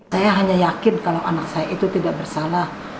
saya hanya yakin kalau anak saya itu tidak bersalah